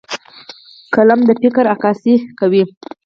قلم د فکر عکاسي کوي